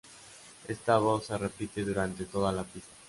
Esta voz se repite durante toda la pista.